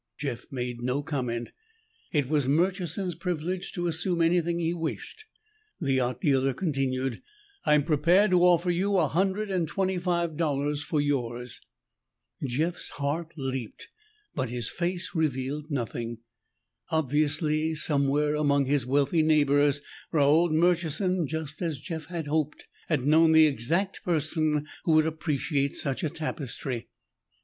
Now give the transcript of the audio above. Jeff made no comment. It was Murchison's privilege to assume anything he wished. The art dealer continued, "I am prepared to offer you a hundred and twenty five dollars for yours." Jeff's heart leaped but his face revealed nothing. Obviously, somewhere among his wealthy neighbors, Raold Murchison, just as Jeff had hoped, had known the exact person who would appreciate such a tapestry.